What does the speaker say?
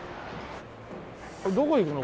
どこ行くの？